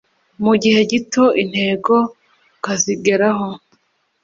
mu gihe gito intego ukazigeraho